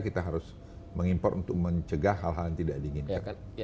kita harus mengimpor untuk mencegah hal hal yang tidak diinginkan